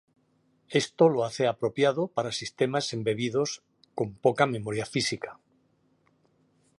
Esto lo hace apropiado para sistemas embebidos con poca memoria física.